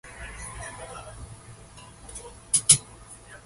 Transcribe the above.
This is done by collecting radioactive signs.